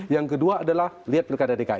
yang kedua adalah lihat pilkada dki